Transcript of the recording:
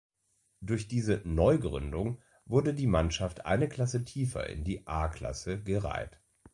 Durch diese „Neugründung“ wurde die Mannschaft eine Klasse tiefer in die A-Klasse gereiht.